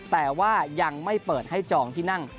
แต่ว่ายังไม่เปิดให้จองที่นั่ง